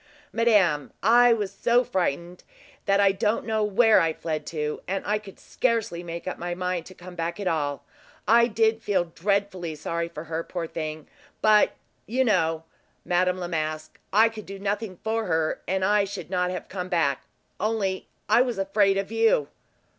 "Madame, I was so frightened that I don't know where I fled to, and I could scarcely make up my mind to come back at all. I did feel dreadfully sorry for her, poor thing! but you know, Madame Masque, I could do nothing for her, and I should not have come back, only I was afraid of you."